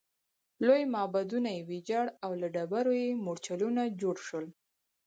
لوی معبدونه یې ویجاړ او له ډبرو یې مورچلونه جوړ شول